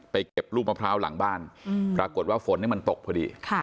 เก็บลูกมะพร้าวหลังบ้านปรากฏว่าฝนมันตกพอดี